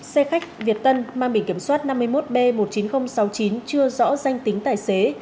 xe khách việt tân mang bình kiểm soát năm mươi một b một mươi chín nghìn sáu mươi chín chưa rõ danh tính tài xế